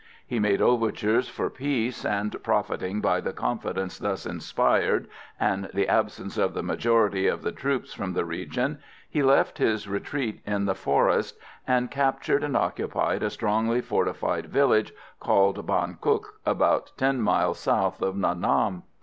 He made overtures for peace, and, profiting by the confidence thus inspired, and the absence of the majority of the troops from the region, he left his retreat in the forest, and captured and occupied a strongly fortified village called Ban Cuc, about 10 miles south of Nha Nam.